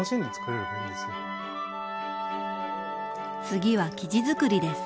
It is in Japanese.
次は生地づくりです。